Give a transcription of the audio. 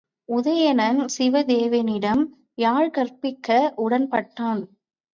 உதயணன் சிவேதனிடம் யாழ்கற்பிக்க உடன்பட்டான்.